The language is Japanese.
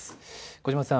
小嶋さん。